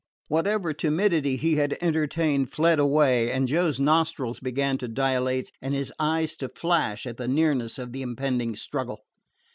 Whatever timidity he had entertained fled away, and Joe's nostrils began to dilate and his eyes to flash at the nearness of the impending struggle.